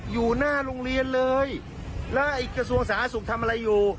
อยู่หน้าโรงเรียนเลยแล้วไอ้กระทรวงสาธารณสุขทำอะไรอยู่